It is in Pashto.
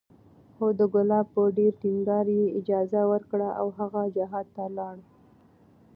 خو د کلاب په ډېر ټينګار یې اجازه ورکړه او هغه جهاد ته ولاړ